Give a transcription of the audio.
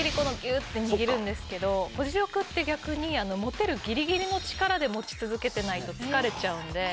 保持力って逆に持てるぎりぎりの力で持ち続けてないと疲れちゃうんで。